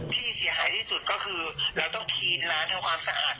ที่เสียหายที่สุดก็คือเราต้องทีล้านทั้งความสะอาดใหม่หมดเลย